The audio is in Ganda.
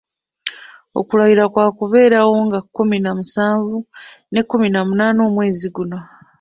Okulayira kwa kubeerawo nga kkumi na musanvu ne kkumi na munaana omwezi guno.